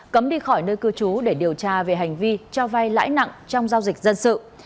cấm đi khỏi nơi cư trú để điều tra về hành vi cho vay lãi nặng trong giao dịch dân sự